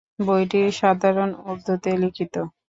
বইটি সাধারণ উর্দুতে লিখিত।